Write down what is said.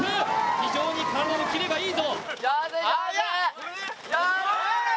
非常に体のキレがいいぞ。